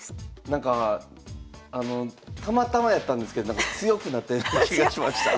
なんかあのたまたまやったんですけど強くなったような気がしました。